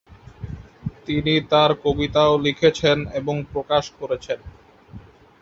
তিনি তার কবিতাও লিখেছেন এবং প্রকাশ করেছেন।